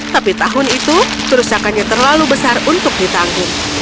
tapi tahun itu kerusakannya terlalu besar untuk ditanggung